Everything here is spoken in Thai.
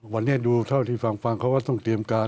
วันนี้ดูเท่าที่ฟังเขาก็ต้องเตรียมการ